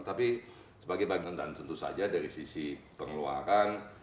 tapi sebagai bagian dan tentu saja dari sisi pengeluaran